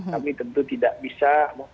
tapi tentu tidak bisa